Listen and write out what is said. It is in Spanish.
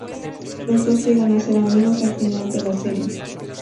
Los dos llegan a ser amigos al final de la serie.